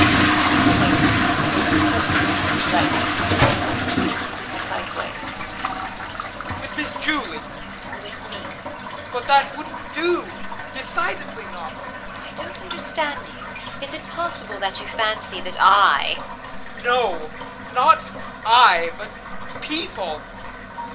[Kristin has awakened and goes to her room, right, in a sort of sleep stupified way.] JEAN. With Miss Julie? JULIE. With me. JEAN. But that wouldn't do decidedly not. JULIE. I don't understand you. Is it possible that you fancy that I JEAN. No not I, but people. JULIE.